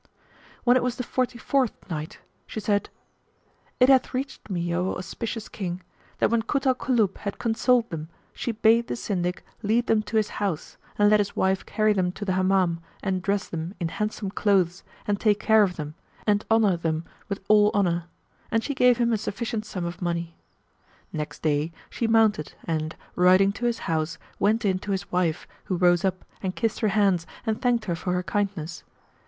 When it was the Forty fourth Night, She said, It hath reached me, O auspicious King, that when Kut al Kulub had consoled them she bade the Syndic lead them to his house and let his wife carry them to the Hammam and dress them in handsome clothes and take care of them; and honour them with all honour; and she gave him a sufficient sum of money. Next day, she mounted and, riding to his house, went in to his wife who rose up and kissed her hands and thanked her for her kindness.